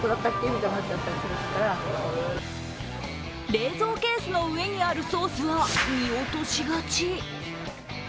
冷蔵ケースの上にあるソースは見落としがち。